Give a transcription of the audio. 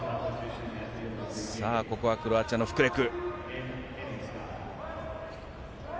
さあ、ここはクロアチアのフクレク。